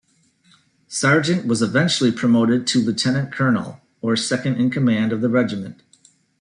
Sargent was eventually promoted to Lieutenant Colonel, or second in-command of the regiment.